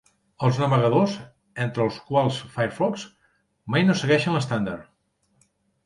Els navegadors, entre els quals Firefox, mai no segueixen l'estàndard.